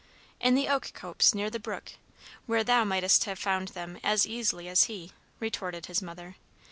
"In the oak copse near the brook, where thou mightest have found them as easily as he," retorted his mother.